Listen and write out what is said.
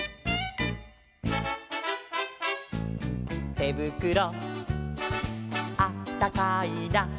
「てぶくろあったかいな」